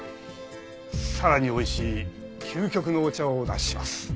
さらに美味しい究極のお茶をお出しします。